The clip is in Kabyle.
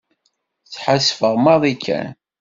Sḥassfeɣ maḍi kan.